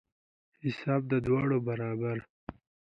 حساب د دواړو برابر.